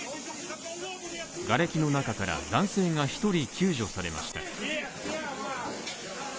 がれきの中から男性が１人救助されました。